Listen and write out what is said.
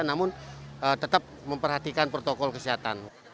namun tetap memperhatikan protokol kesehatan